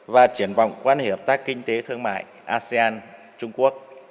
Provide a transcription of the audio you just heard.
và triển vọng quan hệ hợp tác kinh tế thương mại asean trung quốc